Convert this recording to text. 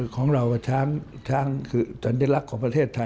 ของเราช้างคือสัญลักษณ์ของประเทศไทย